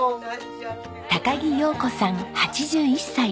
高木洋子さん８１歳。